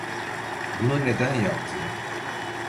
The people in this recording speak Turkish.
Bunu neden yaptın?